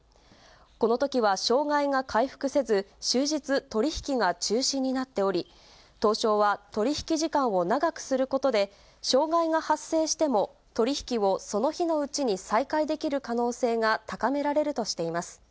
このときは障害が回復せず、終日取り引きが中止になっており、東証は、取り引き時間を長くすることで、障害が発生しても取り引きをその日のうちに再開できる可能性が高められるとしています。